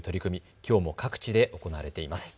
きょうも各地で行われています。